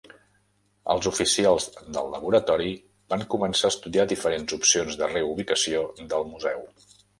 Els oficials del laboratori van començar a estudiar diferents opcions de reubicació del museu.